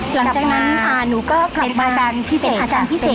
หลังจากนั้นหนูก็กลับมาเป็นอาจารย์พิเศษ